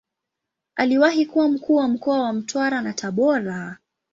Aliwahi kuwa Mkuu wa mkoa wa Mtwara na Tabora.